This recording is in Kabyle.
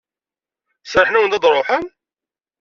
Serrḥen-awen-d ad d-truḥem?.